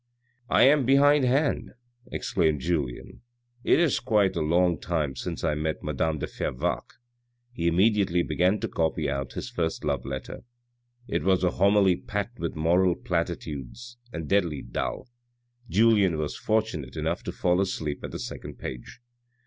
" I am behind hand," exclaimed Julien. " It is quite a long time since I met madame de Fervaques." He immediately began to copy out this first love letter. It was a homily packed with moral platitudes and deadly dull. Julien was fortunate enough to fall asleep at the second page.